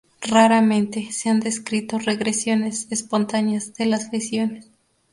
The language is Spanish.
Raramente, se han descrito regresiones espontáneas de las lesiones.